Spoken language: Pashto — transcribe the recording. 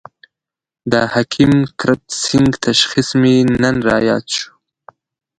د حکیم کرت سېنګ تشخیص مې نن را ياد شو.